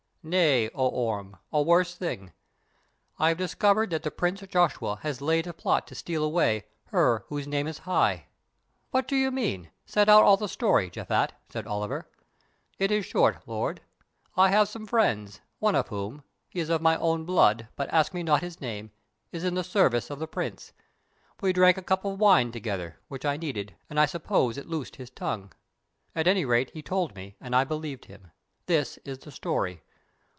"Nay, O Orme, a worse thing; I have discovered that the Prince Joshua has laid a plot to steal away 'Her whose name is high.'" "What do you mean? Set out all the story, Japhet," said Oliver. "It is short, lord. I have some friends, one of whom—he is of my own blood, but ask me not his name—is in the service of the Prince. We drank a cup of wine together, which I needed, and I suppose it loosed his tongue. At any rate, he told me, and I believed him. This is the story.